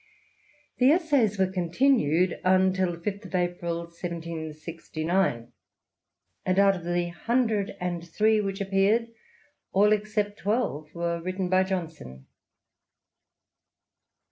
The essays were continued until 5th April 1760, and out of the hundred and three which appeared, all except twelve were written by Johnson.